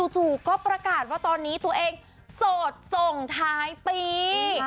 จู่ก็ประกาศว่าตอนนี้ตัวเองโสดส่งท้ายปี